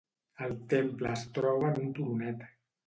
El temple es troba en un turonet.